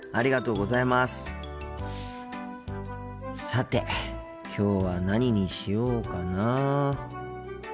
さてきょうは何にしようかな。